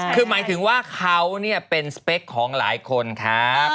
คือหมายถึงว่าเขาเป็นสเปคของหลายคนครับ